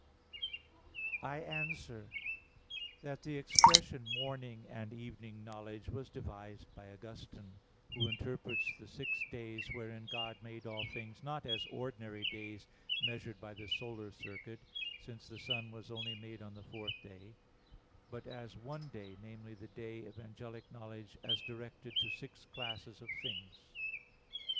I answer that, The expression "morning" and "evening" knowledge was devised by Augustine; who interprets the six days wherein God made all things, not as ordinary days measured by the solar circuit, since the sun was only made on the fourth day, but as one day, namely, the day of angelic knowledge as directed to six classes of things.